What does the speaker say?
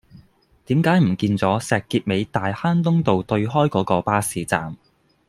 點解唔見左石硤尾大坑東道對開嗰個巴士站